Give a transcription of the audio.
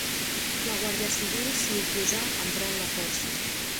La Guàrdia Civil s'hi oposà emprant la força.